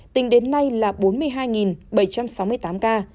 tính đến nay là bốn mươi hai bảy trăm sáu mươi tám ca